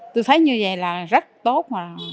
tôi thấy như vậy là rất tốt